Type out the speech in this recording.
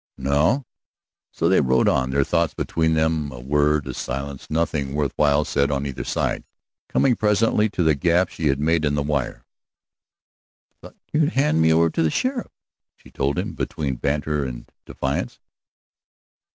"No." So they rode on, their thoughts between them, a word, a silence, nothing worth while said on either side, coming presently to the gap she had made in the wire. "I thought you'd hand me over to the sheriff," she told him, between banter and defiance.